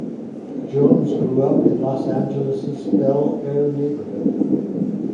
Jones grew up in Los Angeles' Bel Air neighborhood.